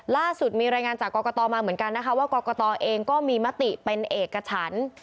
ล่าสุดมีรายงานจากกกตค์ว่ากกตค์เองก็มีมปเป็นเอกชั้น